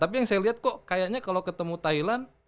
tapi yang saya lihat kok kayaknya kalau ketemu thailand